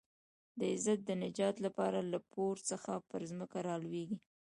د عزت د نجات لپاره له پوړ څخه پر ځمکه رالوېږي.